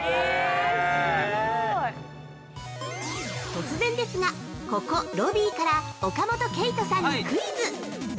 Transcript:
突然ですが、ここロビーから岡本圭人さんにクイズ！